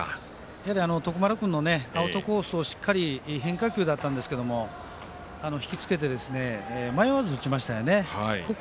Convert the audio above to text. やはり徳丸君のしっかり変化球だったんですけど引きつけて迷わず、打ちましたよね。